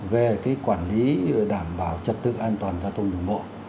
về quản lý đảm bảo trật tự an toàn giao thông đường bộ